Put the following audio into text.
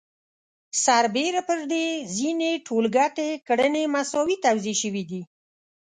سربېره پر دې ځینې ټولګټې کړنې مساوي توزیع شوي دي